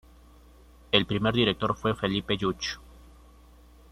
El primer director fue Felipe Lluch.